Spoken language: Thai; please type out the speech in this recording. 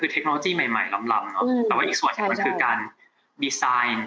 เทคโนโลยีใหม่ลำเนอะแต่ว่าอีกส่วนหนึ่งมันคือการดีไซน์